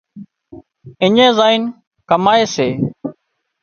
اڃي زائينَ ڪمائي سي